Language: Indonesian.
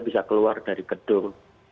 bisa keluar dari gedung